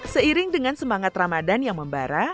seiring dengan semangat ramadan yang membara